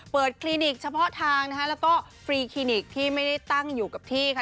คลินิกเฉพาะทางนะคะแล้วก็ฟรีคลินิกที่ไม่ได้ตั้งอยู่กับที่ค่ะ